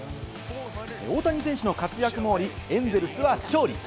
大谷選手の活躍もありエンゼルスは勝利。